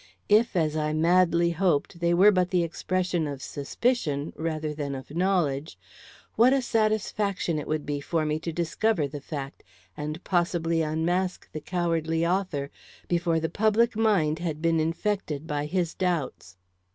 If, as I madly hoped, they were but the expression of suspicion, rather than of knowledge, what a satisfaction it would be for me to discover the fact, and possibly unmask the cowardly author, before the public mind had been infected by his doubts.